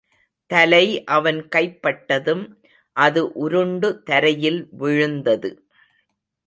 தலை அவன் கைப்பட்டதும் அது உருண்டு தரையில் விழுந்தது.